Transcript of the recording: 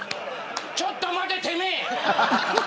ちょっと待て、てめえ。